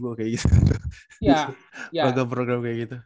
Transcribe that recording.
program program kayak gitu